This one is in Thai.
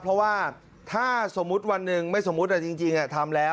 เพราะว่าถ้าสมมุติวันหนึ่งไม่สมมุติจริงทำแล้ว